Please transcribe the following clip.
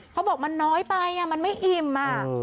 เขาบอกมันน้อยไปมันไม่อิ่ม